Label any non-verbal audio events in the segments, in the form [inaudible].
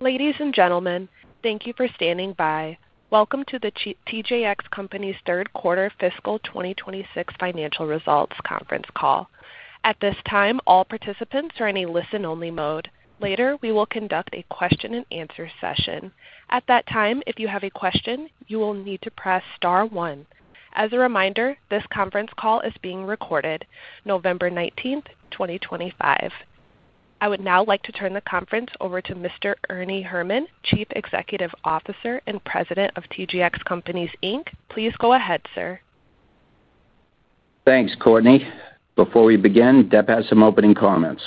Ladies and gentlemen, thank you for standing by. Welcome to the TJX Companies Third Quarter Fiscal 2026 Financial Results Conference Call. At this time, all participants are in a listen-only mode. Later, we will conduct a question-and-answer session. At that time, if you have a question, you will need to press star one. As a reminder, this conference call is being recorded, November 19th, 2025. I would now like to turn the conference over to Mr. Ernie Herrman, Chief Executive Officer and President of TJX Companies. Please go ahead, sir. Thanks, Courtney. Before we begin, Deb has some opening comments.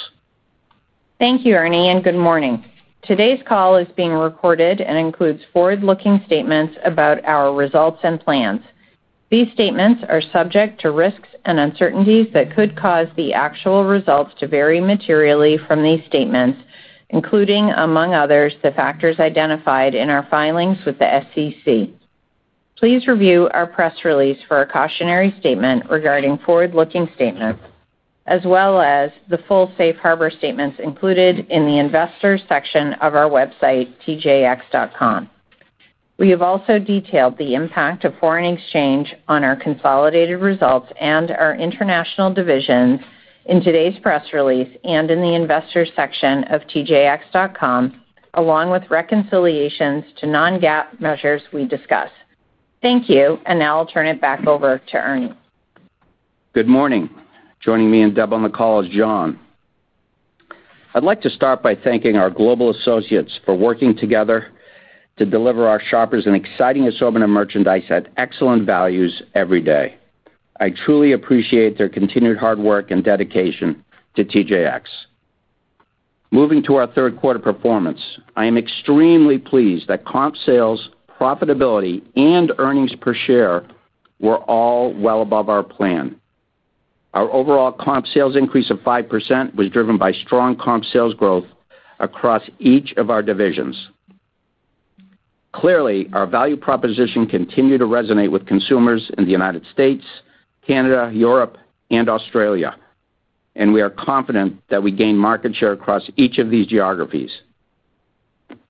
Thank you, Ernie, and good morning. Today's call is being recorded and includes forward-looking statements about our results and plans. These statements are subject to risks and uncertainties that could cause the actual results to vary materially from these statements, including, among others, the factors identified in our filings with the SEC. Please review our press release for a cautionary statement regarding forward-looking statements, as well as the full Safe Harbor statements included in the investor section of our website, TJX.com. We have also detailed the impact of foreign exchange on our consolidated results and our international divisions in today's press release and in the investor section of TJX.com, along with reconciliations to non-GAAP measures we discuss. Thank you, and now I'll turn it back over to Ernie. Good morning. Joining me and Deb on the call is John. I'd like to start by thanking our global associates for working together to deliver our shoppers an exciting assortment of merchandise at excellent values every day. I truly appreciate their continued hard work and dedication to TJX. Moving to our third quarter performance, I am extremely pleased that comp sales, profitability, and earnings per share were all well above our plan. Our overall comp sales increase of 5% was driven by strong comp sales growth across each of our divisions. Clearly, our value proposition continued to resonate with consumers in the United States, Canada, Europe, and Australia, and we are confident that we gained market share across each of these geographies.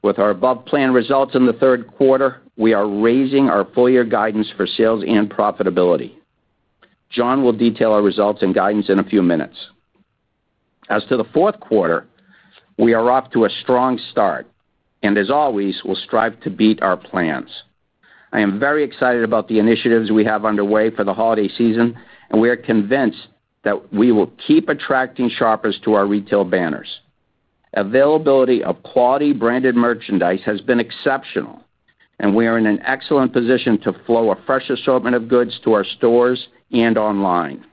With our above-planned results in the third quarter, we are raising our full-year guidance for sales and profitability. John will detail our results and guidance in a few minutes. As to the fourth quarter, we are off to a strong start, and as always, we will strive to beat our plans. I am very excited about the initiatives we have underway for the holiday season, and we are convinced that we will keep attracting shoppers to our retail banners. Availability of quality branded merchandise has been exceptional, and we are in an excellent position to flow a fresh assortment of goods to our stores and online.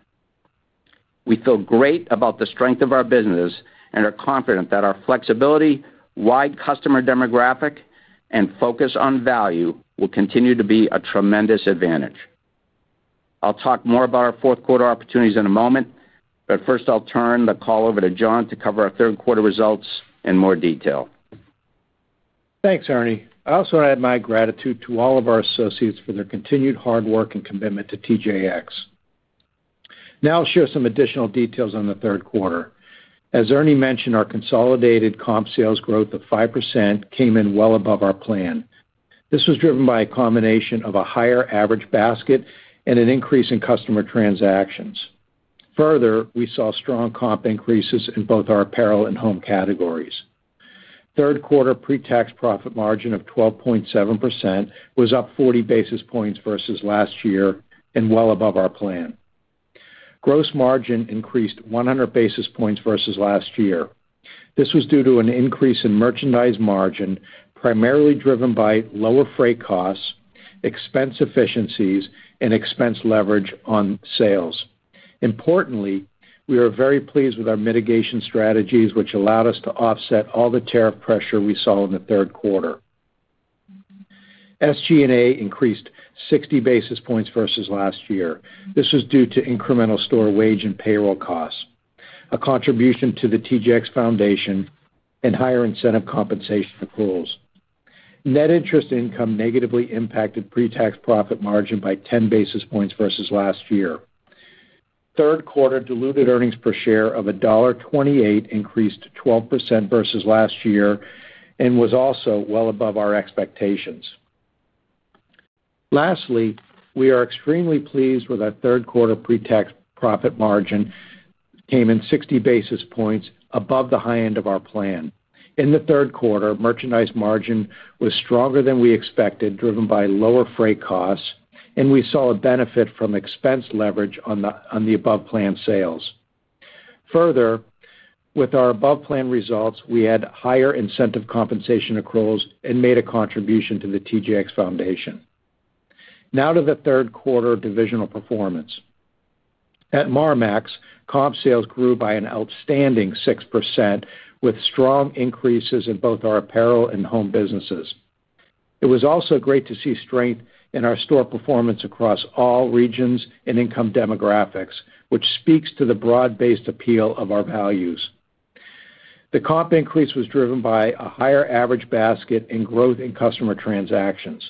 We feel great about the strength of our business and are confident that our flexibility, wide customer demographic, and focus on value will continue to be a tremendous advantage. I will talk more about our fourth quarter opportunities in a moment, but first I will turn the call over to John to cover our third quarter results in more detail. Thanks, Ernie. I also want to add my gratitude to all of our associates for their continued hard work and commitment to TJX. Now I'll share some additional details on the third quarter. As Ernie mentioned, our consolidated comp sales growth of 5% came in well above our plan. This was driven by a combination of a higher average basket and an increase in customer transactions. Further, we saw strong comp increases in both our apparel and home categories. Third quarter pre-tax profit margin of 12.7% was up 40 basis points versus last year and well above our plan. Gross margin increased 100 basis points versus last year. This was due to an increase in merchandise margin, primarily driven by lower freight costs, expense efficiencies, and expense leverage on sales. Importantly, we are very pleased with our mitigation strategies, which allowed us to offset all the tariff pressure we saw in the third quarter. SG&A increased 60 basis points versus last year. This was due to incremental store wage and payroll costs, a contribution to the TJX Foundation, and higher incentive compensation accruals. Net interest income negatively impacted pre-tax profit margin by 10 basis points versus last year. Third quarter diluted earnings per share of $1.28 increased 12% versus last year and was also well above our expectations. Lastly, we are extremely pleased with our third quarter pre-tax profit margin. It came in 60 basis points above the high end of our plan. In the third quarter, merchandise margin was stronger than we expected, driven by lower freight costs, and we saw a benefit from expense leverage on the above-plan sales. Further, with our above-plan results, we had higher incentive compensation accruals and made a contribution to the TJX Foundation. Now to the third quarter divisional performance. At Marmaxx, comp sales grew by an outstanding 6%, with strong increases in both our apparel and home businesses. It was also great to see strength in our store performance across all regions and income demographics, which speaks to the broad-based appeal of our values. The comp increase was driven by a higher average basket and growth in customer transactions.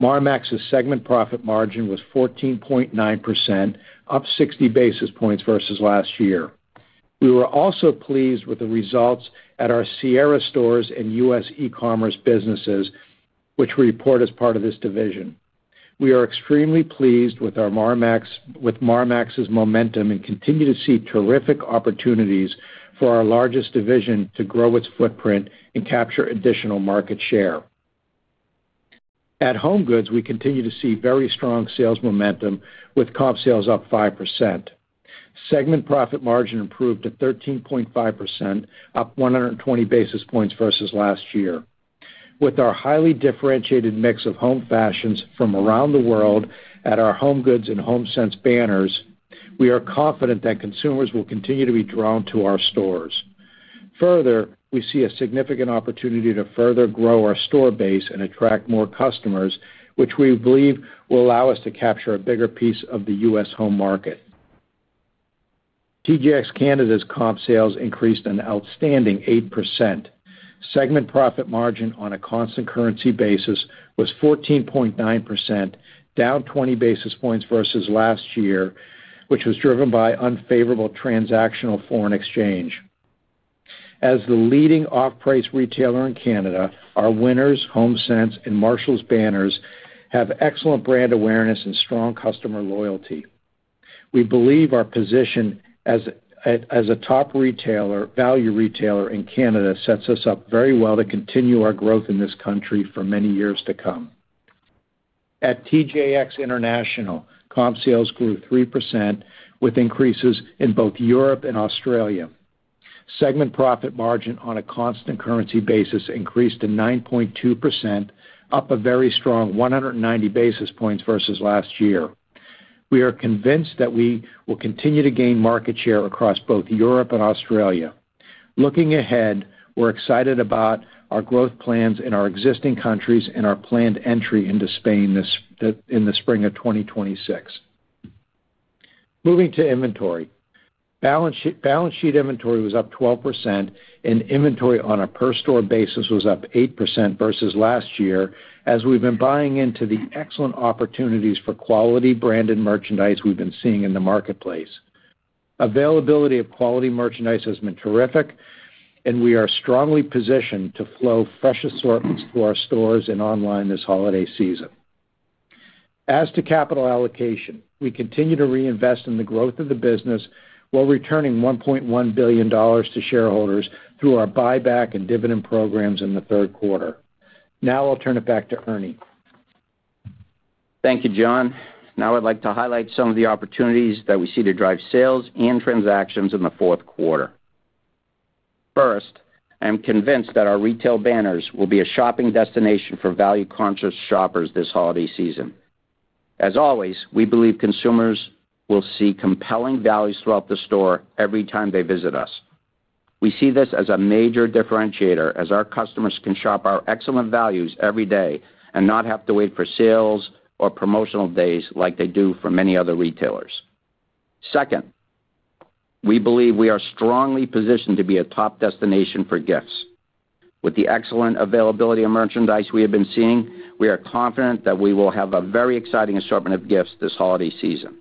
Marmaxx's segment profit margin was 14.9%, up 60 basis points versus last year. We were also pleased with the results at our Sierra stores and U.S. e-commerce businesses, which we report as part of this division. We are extremely pleased with Marmaxx's momentum and continue to see terrific opportunities for our largest division to grow its footprint and capture additional market share. At HomeGoods, we continue to see very strong sales momentum, with comp sales up 5%. Segment profit margin improved to 13.5%, up 120 basis points versus last year. With our highly differentiated mix of home fashions from around the world at our HomeGoods and HomeSense banners, we are confident that consumers will continue to be drawn to our stores. Further, we see a significant opportunity to further grow our store base and attract more customers, which we believe will allow us to capture a bigger piece of the U.S. home market. TJX Canada's comp sales increased an outstanding 8%. Segment profit margin on a constant currency basis was 14.9%, down 20 basis points versus last year, which was driven by unfavorable transactional foreign exchange. As the leading off-price retailer in Canada, our Winners, HomeSense and Marshalls banners have excellent brand awareness and strong customer loyalty. We believe our position as a top value retailer in Canada sets us up very well to continue our growth in this country for many years to come. At TJX International, comp sales grew 3% with increases in both Europe and Australia. Segment profit margin on a constant currency basis increased to 9.2%, up a very strong 190 basis points versus last year. We are convinced that we will continue to gain market share across both Europe and Australia. Looking ahead, we're excited about our growth plans in our existing countries and our planned entry into Spain in the spring of 2026. Moving to inventory, balance sheet inventory was up 12%, and inventory on a per-store basis was up 8% versus last year, as we've been buying into the excellent opportunities for quality branded merchandise we've been seeing in the marketplace. Availability of quality merchandise has been terrific, and we are strongly positioned to flow fresh assortments to our stores and online this holiday season. As to capital allocation, we continue to reinvest in the growth of the business while returning $1.1 billion to shareholders through our buyback and dividend programs in the third quarter. Now I'll turn it back to Ernie. Thank you, John. Now I'd like to highlight some of the opportunities that we see to drive sales and transactions in the fourth quarter. First, I'm convinced that our retail banners will be a shopping destination for value-conscious shoppers this holiday season. As always, we believe consumers will see compelling values throughout the store every time they visit us. We see this as a major differentiator, as our customers can shop our excellent values every day and not have to wait for sales or promotional days like they do for many other retailers. Second, we believe we are strongly positioned to be a top destination for gifts. With the excellent availability of merchandise we have been seeing, we are confident that we will have a very exciting assortment of gifts this holiday season.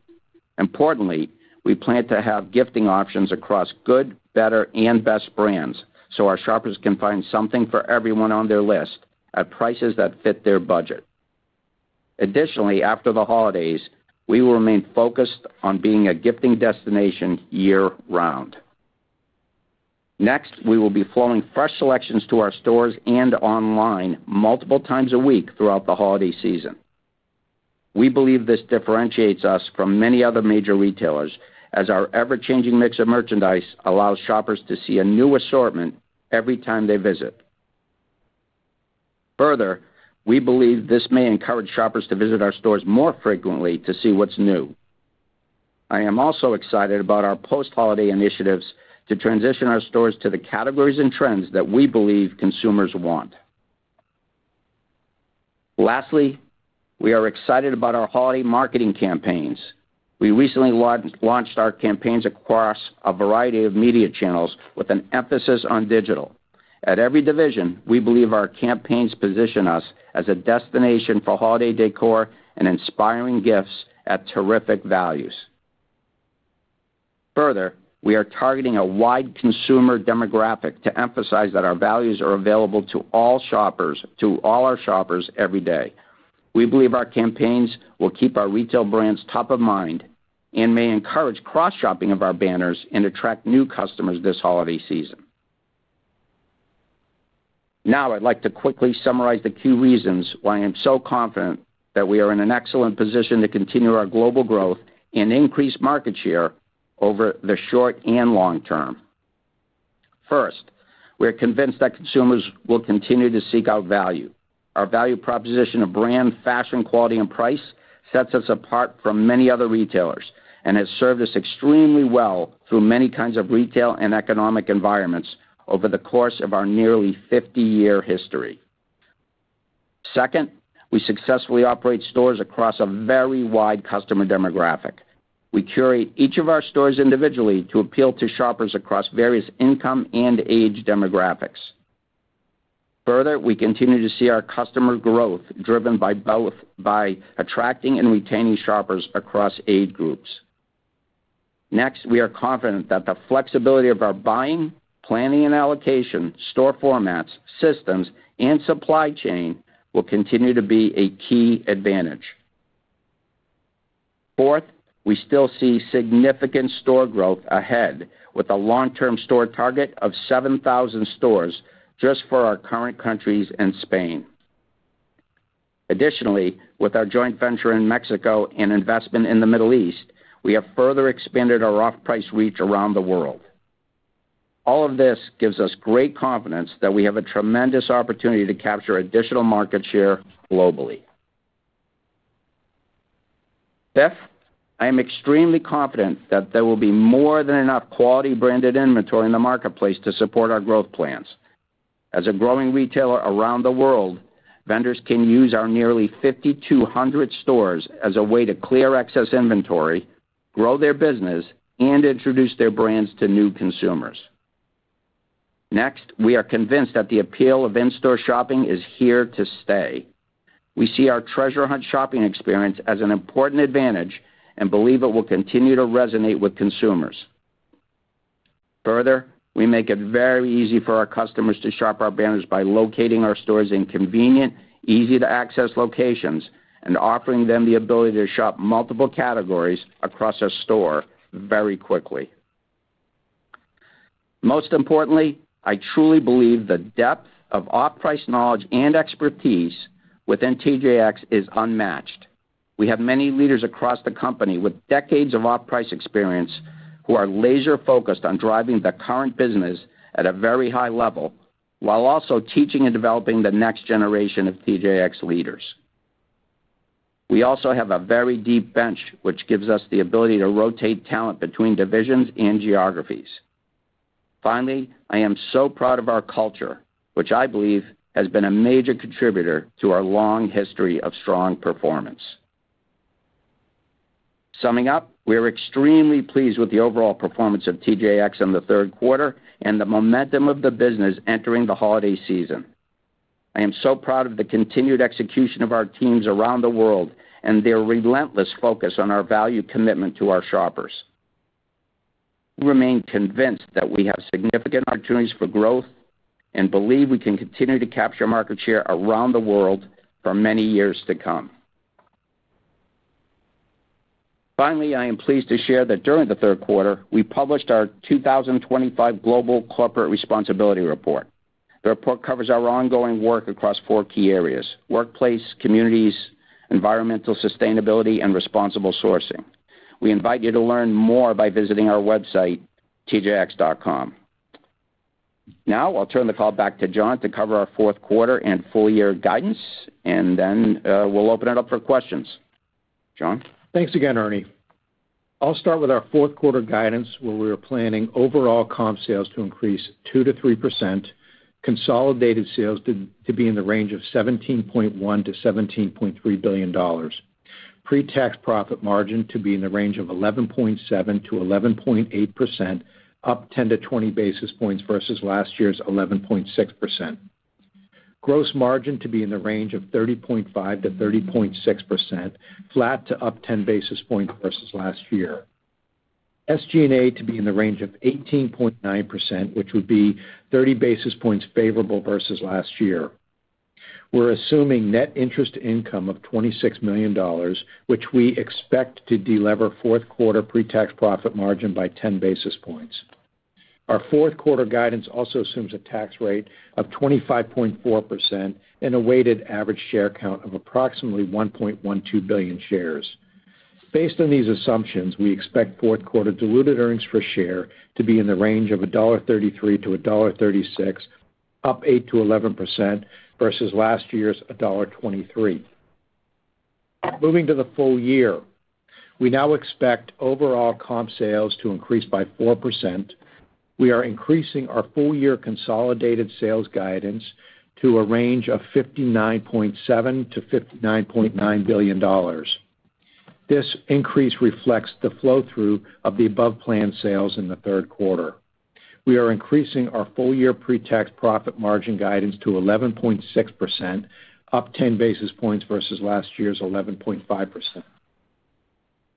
Importantly, we plan to have gifting options across good, better, and best brands so our shoppers can find something for everyone on their list at prices that fit their budget. Additionally, after the holidays, we will remain focused on being a gifting destination year-round. Next, we will be flowing fresh selections to our stores and online multiple times a week throughout the holiday season. We believe this differentiates us from many other major retailers, as our ever-changing mix of merchandise allows shoppers to see a new assortment every time they visit. Further, we believe this may encourage shoppers to visit our stores more frequently to see what's new. I am also excited about our post-holiday initiatives to transition our stores to the categories and trends that we believe consumers want. Lastly, we are excited about our holiday marketing campaigns. We recently launched our campaigns across a variety of media channels with an emphasis on digital. At every division, we believe our campaigns position us as a destination for holiday decor and inspiring gifts at terrific values. Further, we are targeting a wide consumer demographic to emphasize that our values are available to all our shoppers every day. We believe our campaigns will keep our retail brands top of mind and may encourage cross-shopping of our banners and attract new customers this holiday season. Now I'd like to quickly summarize the key reasons why I am so confident that we are in an excellent position to continue our global growth and increase market share over the short and long term. First, we are convinced that consumers will continue to seek out value. Our value proposition of brand, fashion, quality, and price sets us apart from many other retailers and has served us extremely well through many kinds of retail and economic environments over the course of our nearly 50-year history. Second, we successfully operate stores across a very wide customer demographic. We curate each of our stores individually to appeal to shoppers across various income and age demographics. Further, we continue to see our customer growth driven by attracting and retaining shoppers across age groups. Next, we are confident that the flexibility of our buying, planning, and allocation, store formats, systems, and supply chain will continue to be a key advantage. Fourth, we still see significant store growth ahead with a long-term store target of 7,000 stores just for our current countries and Spain. Additionally, with our joint venture in Mexico and investment in the Middle East, we have further expanded our off-price reach around the world. All of this gives us great confidence that we have a tremendous opportunity to capture additional market share globally. Fifth, I am extremely confident that there will be more than enough quality branded inventory in the marketplace to support our growth plans. As a growing retailer around the world, vendors can use our nearly 5,200 stores as a way to clear excess inventory, grow their business, and introduce their brands to new consumers. Next, we are convinced that the appeal of in-store shopping is here to stay. We see our treasure hunt shopping experience as an important advantage and believe it will continue to resonate with consumers. Further, we make it very easy for our customers to shop our banners by locating our stores in convenient, easy-to-access locations and offering them the ability to shop multiple categories across a store very quickly. Most importantly, I truly believe the depth of off-price knowledge and expertise within TJX is unmatched. We have many leaders across the company with decades of off-price experience who are laser-focused on driving the current business at a very high level while also teaching and developing the next generation of TJX leaders. We also have a very deep bench, which gives us the ability to rotate talent between divisions and geographies. Finally, I am so proud of our culture, which I believe has been a major contributor to our long history of strong performance. Summing up, we are extremely pleased with the overall performance of TJX in the third quarter and the momentum of the business entering the holiday season. I am so proud of the continued execution of our teams around the world and their relentless focus on our value commitment to our shoppers. We remain convinced that we have significant opportunities for growth and believe we can continue to capture market share around the world for many years to come. Finally, I am pleased to share that during the third quarter, we published our 2025 Global Corporate Responsibility Report. The report covers our ongoing work across four key areas: workplace, communities, environmental sustainability, and responsible sourcing. We invite you to learn more by visiting our website, TJX.com. Now I'll turn the call back to John to cover our fourth quarter and full-year guidance, and then we'll open it up for questions. John? Thanks again, Ernie. I'll start with our fourth quarter guidance, where we are planning overall comp sales to increase 2%-3%, consolidated sales to be in the range of $17.1-$17.3 billion, pre-tax profit margin to be in the range of 11.7%-11.8%, up 10-20 basis points versus last year's 11.6%. Gross margin to be in the range of 30.5%-30.6%, flat to up 10 basis points versus last year. SG&A to be in the range of 18.9%, which would be 30 basis points favorable versus last year. We're assuming net interest income of $26 million, which we expect to deliver fourth quarter pre-tax profit margin by 10 basis points. Our fourth quarter guidance also assumes a tax rate of 25.4% and a weighted average share count of approximately 1.12 billion shares. Based on these assumptions, we expect fourth quarter diluted earnings per share to be in the range of $1.33-$1.36, up 8%-11% versus last year's $1.23. Moving to the full year, we now expect overall comp sales to increase by 4%. We are increasing our full-year consolidated sales guidance to a range of $59.7-$59.9 billion. This increase reflects the flow-through of the above-planned sales in the third quarter. We are increasing our full-year pre-tax profit margin guidance to 11.6%, up 10 basis points versus last year's 11.5%.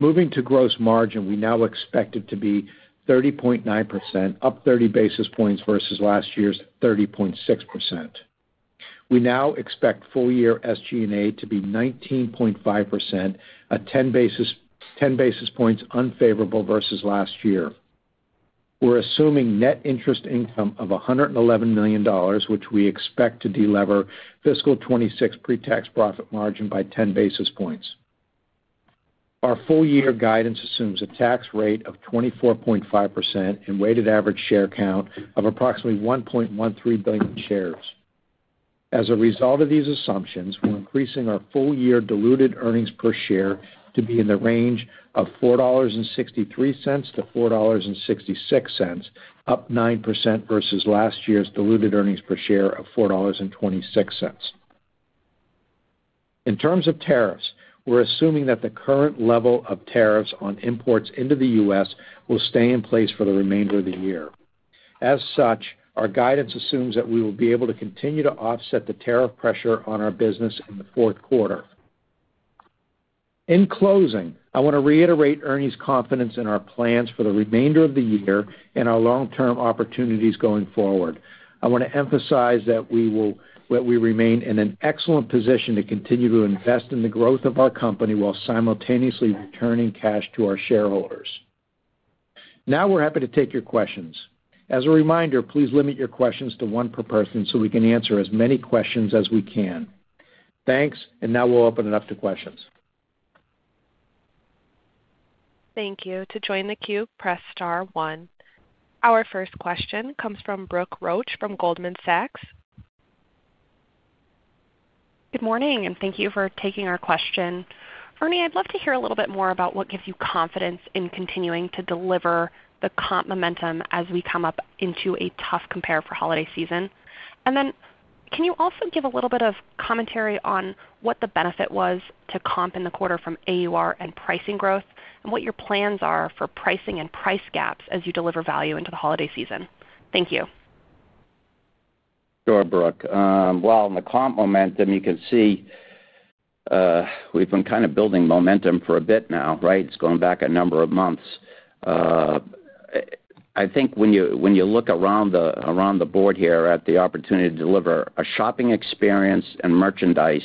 Moving to gross margin, we now expect it to be 30.9%, up 30 basis points versus last year's 30.6%. We now expect full-year SG&A to be 19.5%, a 10 basis points unfavorable versus last year. We're assuming net interest income of $111 million, which we expect to deliver fiscal 2026 pre-tax profit margin by 10 basis points. Our full-year guidance assumes a tax rate of 24.5% and weighted average share count of approximately 1.13 billion shares. As a result of these assumptions, we're increasing our full-year diluted earnings per share to be in the range of $4.63-$4.66, up 9% versus last year's diluted earnings per share of $4.26. In terms of tariffs, we're assuming that the current level of tariffs on imports into the U.S. will stay in place for the remainder of the year. As such, our guidance assumes that we will be able to continue to offset the tariff pressure on our business in the fourth quarter. In closing, I want to reiterate Ernie's confidence in our plans for the remainder of the year and our long-term opportunities going forward. I want to emphasize that we remain in an excellent position to continue to invest in the growth of our company while simultaneously returning cash to our shareholders. Now we're happy to take your questions. As a reminder, please limit your questions to one per person so we can answer as many questions as we can. Thanks, and now we'll open it up to questions. Thank you. To join the queue, press star one. Our first question comes from Brooke Roach from Goldman Sachs. Good morning, and thank you for taking our question. Ernie, I'd love to hear a little bit more about what gives you confidence in continuing to deliver the comp momentum as we come up into a tough compare for holiday season. Can you also give a little bit of commentary on what the benefit was to comp in the quarter from AUR and pricing growth, and what your plans are for pricing and price gaps as you deliver value into the holiday season? Thank you. Sure, Brooke. In the comp momentum, you can see we've been kind of building momentum for a bit now, right? It's going back a number of months. I think when you look around the board here at the opportunity to deliver a shopping experience and merchandise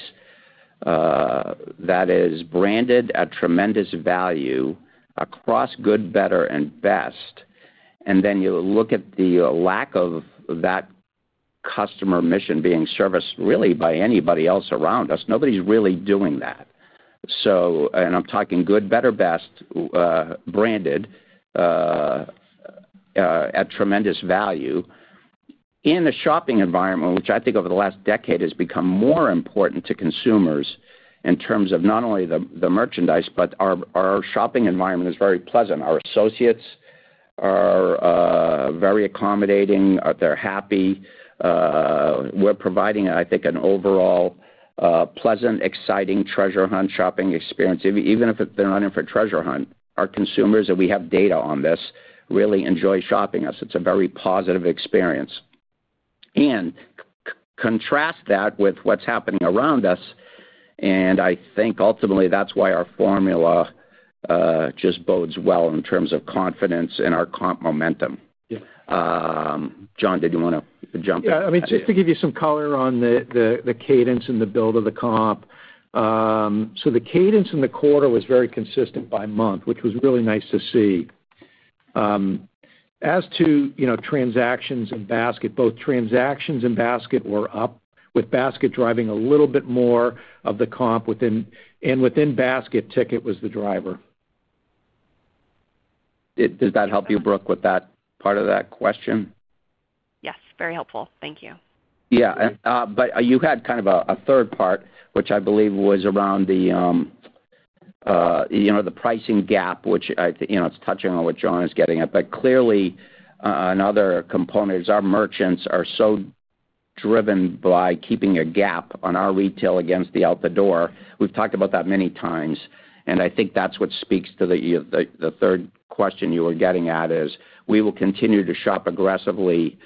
that is branded at tremendous value across good, better, and best, and then you look at the lack of that customer mission being serviced really by anybody else around us, nobody's really doing that. I'm talking good, better, best, branded at tremendous value. In the shopping environment, which I think over the last decade has become more important to consumers in terms of not only the merchandise, but our shopping environment is very pleasant. Our associates are very accommodating, they're happy. We're providing, I think, an overall pleasant, exciting treasure hunt shopping experience. Even if they're running for treasure hunt, our consumers, and we have data on this, really enjoy shopping us. It's a very positive experience. Contrast that with what's happening around us, and I think ultimately that's why our formula just bodes well in terms of confidence in our comp momentum. John, did you want to jump in? Yeah, I mean, just to give you some color on the cadence and the build of the comp. The cadence in the quarter was very consistent by month, which was really nice to see. As to transactions and basket, both transactions and basket were up, with basket driving a little bit more of the comp, and within basket, ticket was the driver. Does that help you, Brooke, with that part of that question? Yes, very helpful. Thank you. Yeah, but you had kind of a third part, which I believe was around the pricing gap, which I think is touching on what John is getting at. Clearly, another component is our merchants are so driven by keeping a gap on our retail against the out the door. We've talked about that many times, and I think that's what speaks to the third question you were getting at is we will continue to shop aggressively.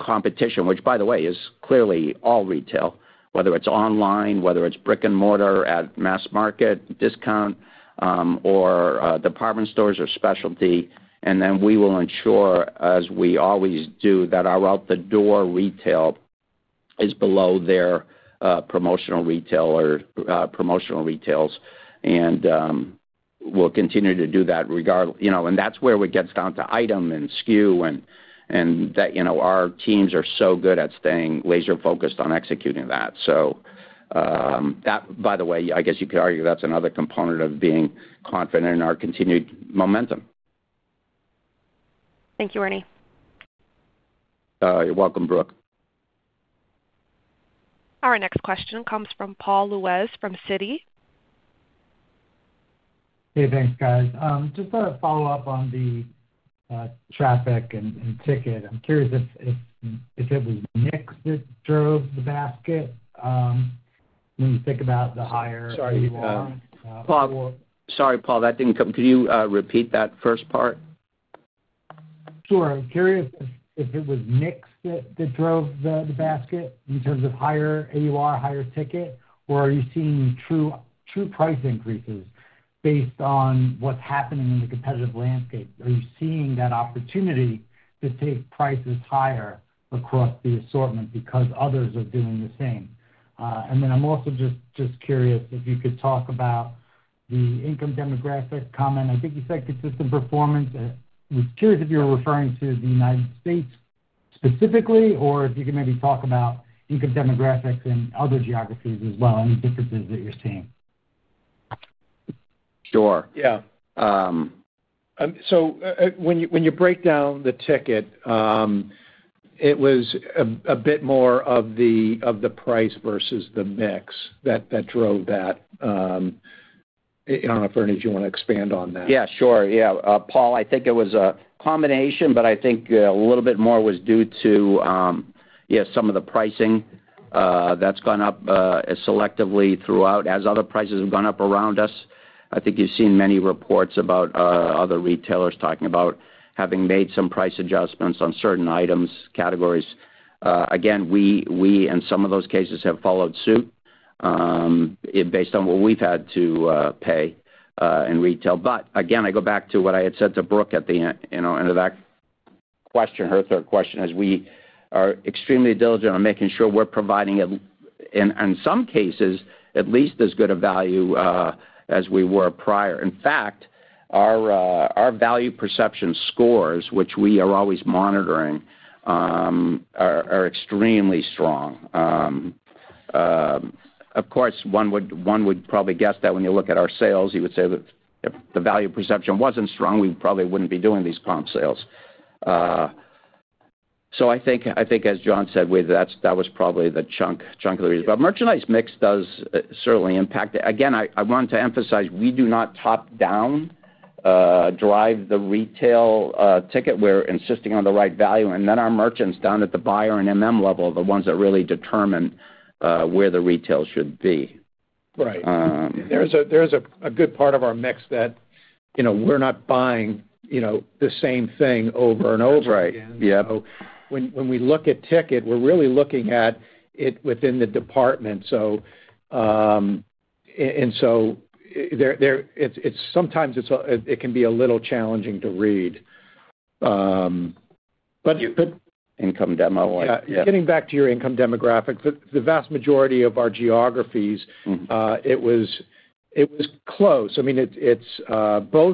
Competition, which by the way is clearly all retail, whether it's online, whether it's brick and mortar at mass market discount, or department stores or specialty. We will ensure, as we always do, that our out the door retail is below their promotional retailers, and we'll continue to do that regardless. That is where it gets down to item and SKU, and our teams are so good at staying laser-focused on executing that. By the way, I guess you could argue that is another component of being confident in our continued momentum. Thank you, Ernie. You're welcome, Brooke. Our next question comes from Paul Lejuez from Citi. Hey, thanks, guys. Just to follow up on the traffic and ticket, I'm curious if it was mix that drove the basket when you think about the higher AUR. Sorry, Paul, that didn't come. Could you repeat that first part? Sure. I'm curious if it was mix that drove the basket in terms of higher AUR, higher ticket, or are you seeing true price increases based on what's happening in the competitive landscape? Are you seeing that opportunity to take prices higher across the assortment because others are doing the same? I am also just curious if you could talk about the income demographic comment. I think you said consistent performance. I was curious if you were referring to the United States specifically, or if you could maybe talk about income demographics in other geographies as well, any differences that you're seeing. Sure. Yeah. When you break down the ticket, it was a bit more of the price versus the mix that drove that. I do not know if Ernie, do you want to expand on that? Yeah, sure. Yeah, Paul, I think it was a combination, but I think a little bit more was due to, yeah, some of the pricing that's gone up selectively throughout as other prices have gone up around us. I think you've seen many reports about other retailers talking about having made some price adjustments on certain items, categories. Again, we in some of those cases have followed suit based on what we've had to pay in retail. I go back to what I had said to Brooke at the end of that question, her third question, as we are extremely diligent on making sure we're providing in some cases at least as good a value as we were prior. In fact, our value perception scores, which we are always monitoring, are extremely strong. Of course, one would probably guess that when you look at our sales, you would say that if the value perception was not strong, we probably would not be doing these comp sales. I think, as John said, that was probably the chunk of the reason. Merchandise mix does certainly impact. Again, I want to emphasize we do not top-down drive the retail ticket. We are insisting on the right value, and then our merchants down at the buyer and level are the ones that really determine where the retail should be. Right. There is a good part of our mix that we are not buying the same thing over and over again. When we look at ticket, we are really looking at it within the department. Sometimes it can be a little challenging to read. Income demo. Getting back to your income demographic, the vast majority of our geographies, it was close. I mean, both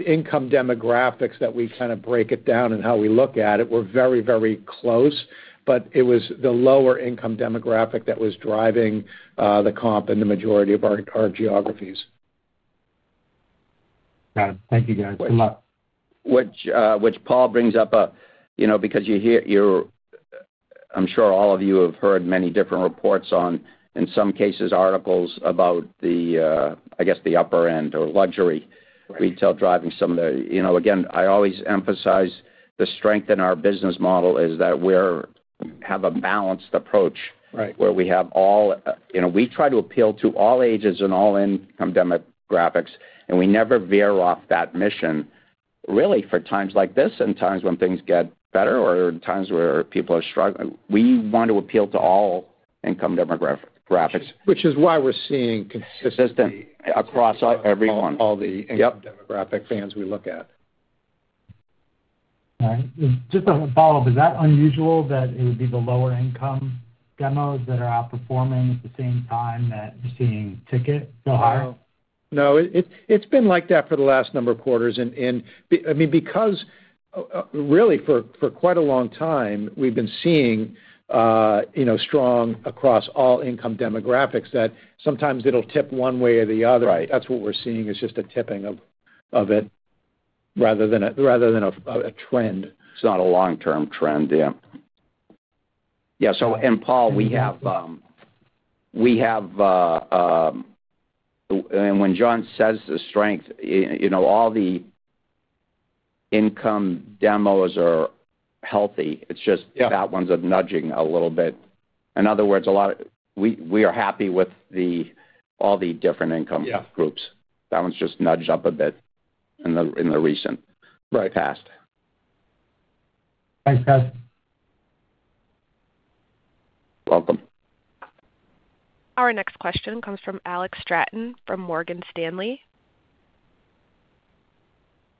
income demographics that we kind of break it down and how we look at it were very, very close, but it was the lower income demographic that was driving the comp in the majority of our geographies. Got it. Thank you, guys. Which Paul brings up because I'm sure all of you have heard many different reports on, in some cases, articles about, I guess, the upper end or luxury retail driving some of the, again, I always emphasize the strength in our business model is that we have a balanced approach where we have all, we try to appeal to all ages and all income demographics, and we never veer off that mission really for times like this and times when things get better or in times where people are struggling. We want to appeal to all income demographics. Which is why we're seeing consistent across everyone, all the income demographic fans we look at. All right. Just a follow-up. Is that unusual that it would be the lower income demos that are outperforming at the same time that you're seeing ticket go higher? No, it's been like that for the last number of quarters. I mean, because really for quite a long time, we've been seeing strong across all income demographics that sometimes it'll tip one way or the other. That's what we're seeing is just a tipping of it rather than a trend. It's not a long-term trend. Yeah. Yeah. Paul, we have, and when John says the strength, all the income demos are healthy. It's just that one's nudging a little bit. In other words, we are happy with all the different income groups. That one's just nudged up a bit in the recent past. Thanks, guys. Welcome. Our next question comes from Alex Stratton from Morgan Stanley.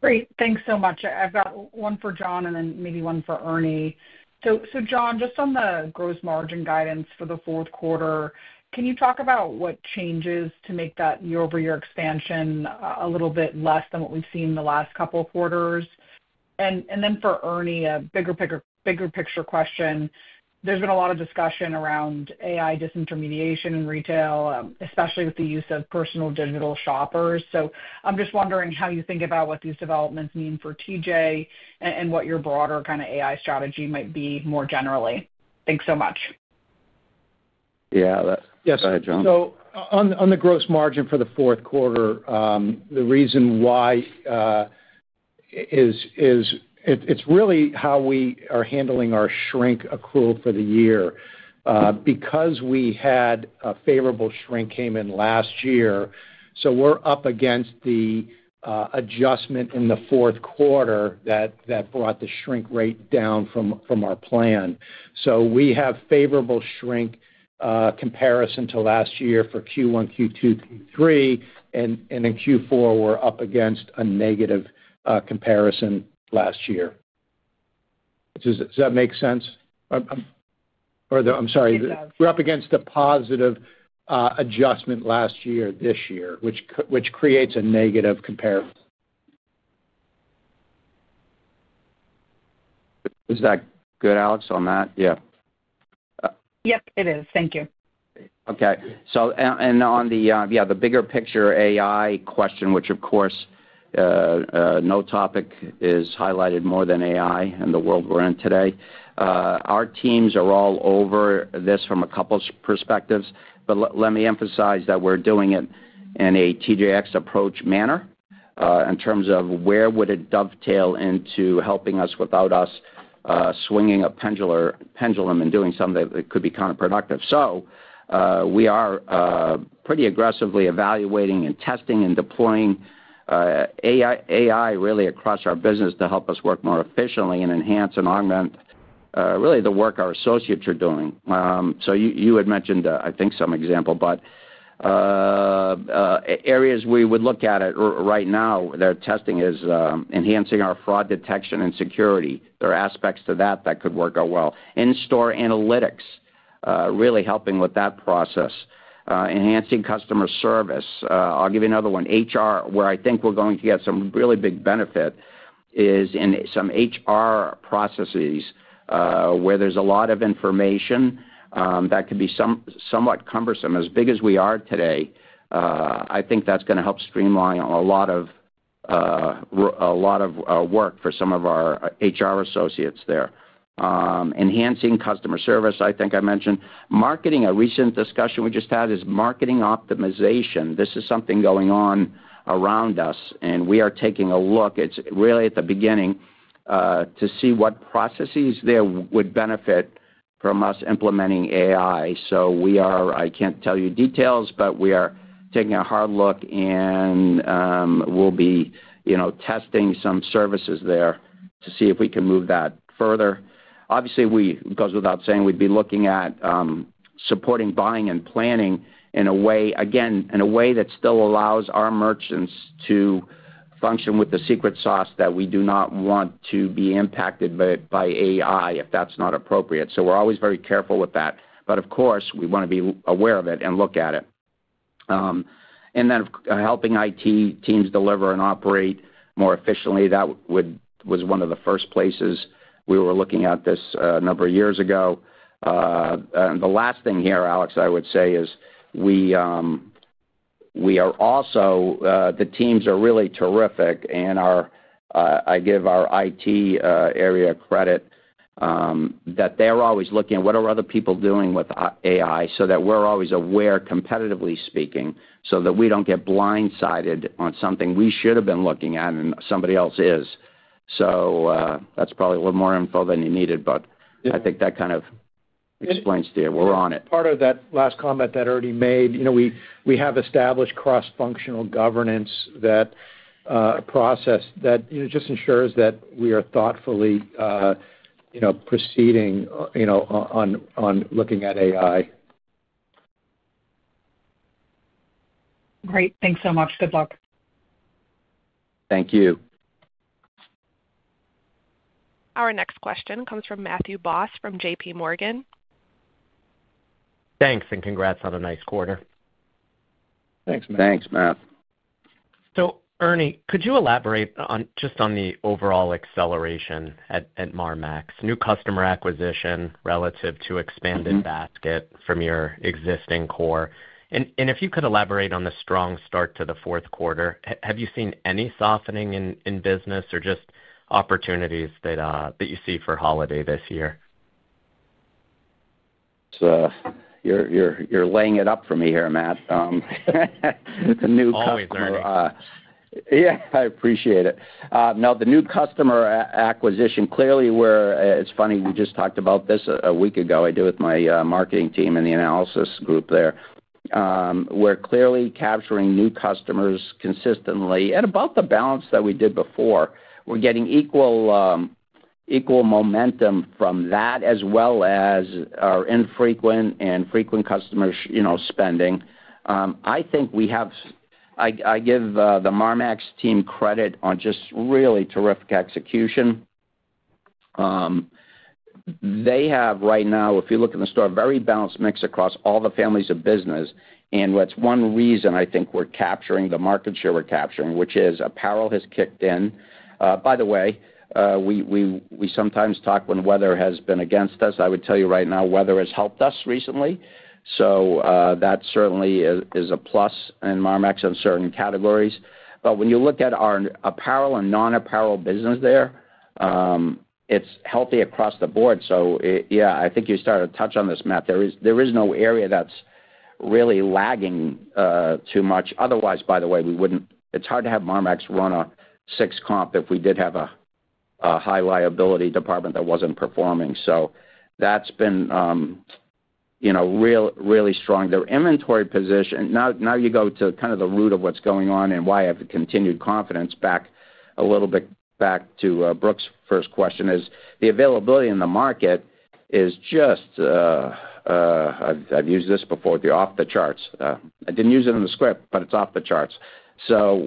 Great. Thanks so much. I've got one for John and then maybe one for Ernie. John, just on the gross margin guidance for the fourth quarter, can you talk about what changes to make that year-over-year expansion a little bit less than what we've seen in the last couple of quarters? For Ernie, a bigger picture question. There's been a lot of discussion around AI disintermediation in retail, especially with the use of personal digital shoppers. I'm just wondering how you think about what these developments mean for TJ and what your broader kind of AI strategy might be more generally. Thanks so much. Yeah. Yes. [crosstalk] Go ahead, John. On the gross margin for the fourth quarter, the reason why is it's really how we are handling our shrink accrual for the year. Because we had a favorable shrink came in last year, so we're up against the adjustment in the fourth quarter that brought the shrink rate down from our plan. We have favorable shrink comparison to last year for Q1, Q2, Q3, and in Q4, we're up against a negative comparison last year. Does that make sense? Or I'm sorry. It does. We're up against a positive adjustment last year this year, which creates a negative comparison. [audio distortion] Is that good, Alex, on that? Yeah. Yep, it is. Thank you. Okay. On the bigger picture AI question, which of course, no topic is highlighted more than AI and the world we're in today. Our teams are all over this from a couple of perspectives, but let me emphasize that we're doing it in a TJX approach manner in terms of where would it dovetail into helping us without us swinging a pendulum and doing something that could be counterproductive. We are pretty aggressively evaluating and testing and deploying AI really across our business to help us work more efficiently and enhance and augment really the work our associates are doing. You had mentioned, I think, some example, but areas we would look at it right now, their testing is enhancing our fraud detection and security. There are aspects to that that could work out well. In-store analytics, really helping with that process. Enhancing customer service. I'll give you another one. HR, where I think we're going to get some really big benefit, is in some HR processes where there's a lot of information that could be somewhat cumbersome. As big as we are today, I think that's going to help streamline a lot of work for some of our HR associates there. Enhancing customer service, I think I mentioned. Marketing, a recent discussion we just had is marketing optimization. This is something going on around us, and we are taking a look. It's really at the beginning to see what processes there would benefit from us implementing AI. We are, I can't tell you details, but we are taking a hard look and will be testing some services there to see if we can move that further. Obviously, it goes without saying, we'd be looking at supporting buying and planning in a way, again, in a way that still allows our merchants to function with the secret sauce that we do not want to be impacted by AI if that's not appropriate. We are always very careful with that. Of course, we want to be aware of it and look at it. Then helping IT teams deliver and operate more efficiently. That was one of the first places we were looking at this a number of years ago. The last thing here, Alex, I would say is we are also, the teams are really terrific, and I give our IT area credit that they're always looking at what are other people doing with AI so that we're always aware, competitively speaking, so that we don't get blindsided on something we should have been looking at and somebody else is. That is probably a little more info than you needed, but I think that kind of explains to you. We're on it. Part of that last comment that Ernie made, we have established cross-functional governance process that just ensures that we are thoughtfully proceeding on looking at AI. Great. Thanks so much. Good luck. Thank you. Our next question comes from Matthew Boss from JPMorgan. Thanks, and congrats on a nice quarter. Thanks, Matt. Thanks, Matt. Ernie, could you elaborate just on the overall acceleration at Marmaxx? New customer acquisition relative to expanded basket from your existing core. If you could elaborate on the strong start to the fourth quarter, have you seen any softening in business or just opportunities that you see for Holiday this year? You're laying it up for me here, Matt. It's a new customer. Always, Ernie. Yeah, I appreciate it. No, the new customer acquisition, clearly, where it's funny, we just talked about this a week ago, I did with my marketing team and the analysis group there. We're clearly capturing new customers consistently at about the balance that we did before. We're getting equal momentum from that as well as our infrequent and frequent customers spending. I think we have, I give the Marmaxx team credit on just really terrific execution. They have right now, if you look in the store, a very balanced mix across all the families of business. That is one reason I think we're capturing the market share we're capturing, which is apparel has kicked in. By the way, we sometimes talk when weather has been against us. I would tell you right now, weather has helped us recently. That certainly is a plus in Marmaxx in certain categories. When you look at our apparel and non-apparel business there, it's healthy across the board. Yeah, I think you started to touch on this, Matt. There is no area that's really lagging too much. Otherwise, by the way, it's hard to have Marmaxx run a six-comp if we did have a high liability department that wasn't performing. That's been really strong. Their inventory position, now you go to kind of the root of what's going on and why I have continued confidence, back a little bit to Brooke's first question, is the availability in the market is just, I've used this before, off the charts. I didn't use it in the script, but it's off the charts.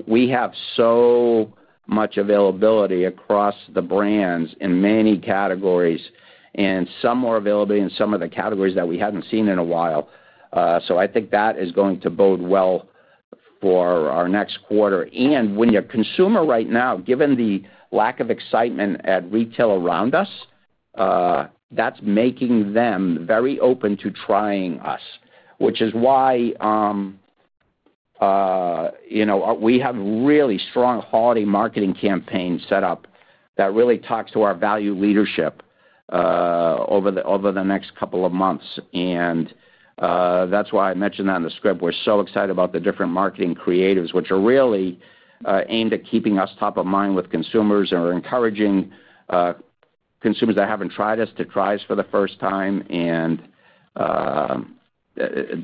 We have so much availability across the brands in many categories and some more availability in some of the categories that we hadn't seen in a while. I think that is going to bode well for our next quarter. When you're a consumer right now, given the lack of excitement at retail around us, that's making them very open to trying us, which is why we have really strong Holiday marketing campaigns set up that really talk to our value leadership over the next couple of months. That is why I mentioned that in the script. We're so excited about the different marketing creatives, which are really aimed at keeping us top of mind with consumers or encouraging consumers that haven't tried us to try us for the first time. That is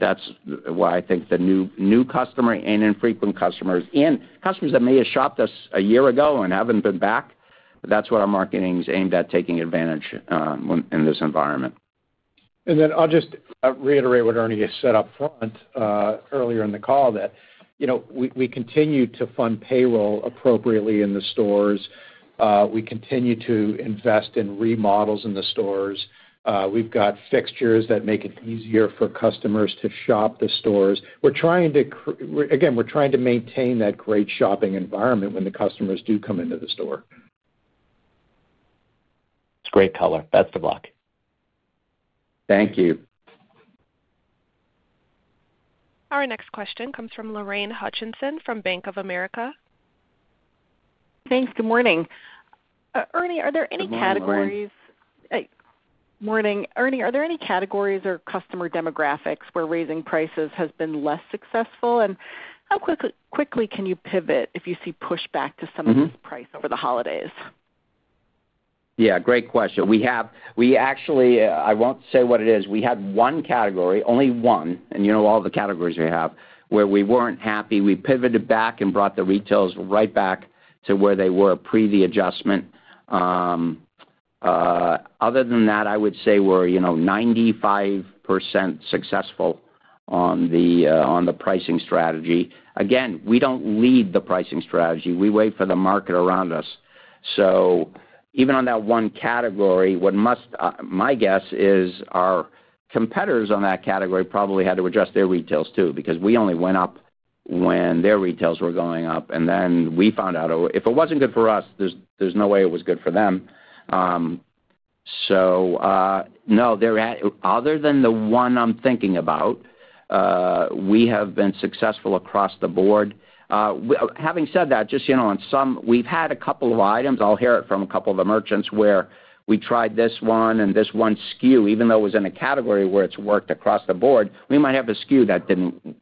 why I think the new customer and infrequent customers and customers that may have shopped us a year ago and haven't been back, that's what our marketing is aimed at taking advantage in this environment. I'll just reiterate what Ernie had said up front earlier in the call that we continue to fund payroll appropriately in the stores. We continue to invest in remodels in the stores. We've got fixtures that make it easier for customers to shop the stores. We're trying to, again, we're trying to maintain that great shopping environment when the customers do come into the store. It's great color. Best of luck. Thank you. Our next question comes from Lorraine Hutchinson from Bank of America. Thanks. Good morning. Ernie, are there any categories? Morning. Morning. Ernie, are there any categories or customer demographics where raising prices has been less successful? How quickly can you pivot if you see pushback to some of this price over the holidays? Yeah. Great question. We actually, I won't say what it is. We had one category, only one, and you know all the categories we have, where we weren't happy. We pivoted back and brought the retailers right back to where they were pre-the adjustment. Other than that, I would say we're 95% successful on the pricing strategy. Again, we don't lead the pricing strategy. We wait for the market around us. Even on that one category, what my guess is our competitors on that category probably had to adjust their retails too because we only went up when their retails were going up. We found out if it wasn't good for us, there's no way it was good for them. No, other than the one I'm thinking about, we have been successful across the board. Having said that, just on some, we've had a couple of items. I'll hear it from a couple of the merchants where we tried this one and this one SKU, even though it was in a category where it's worked across the board, we might have a SKU that didn't